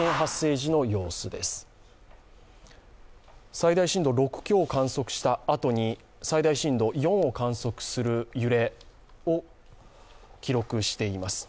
最大震度６強を観測したあとに最大震度４を観測する揺れを観測しています。